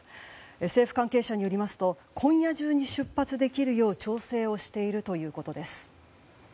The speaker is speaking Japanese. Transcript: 政府関係者によりますと今夜中に出発できるよう調整をしているということです。